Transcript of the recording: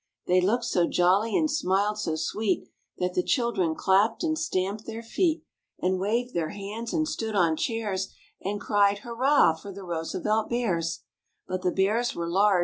They looked so jolly and smiled so sweet That the children clapped and stamped their feet And waved their hands and stood on chairs And cried " Hurrah for the Roosevelt Bears!"